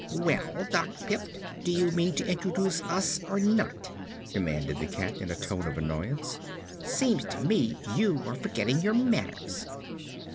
"Well, Doc Pipt, do you mean to introduce us, or not?" demanded the cat, in a tone of annoyance. "Seems to me you are forgetting your manners."